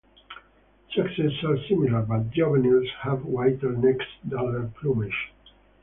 Sexes are similar, but juveniles have whiter necks duller plumage.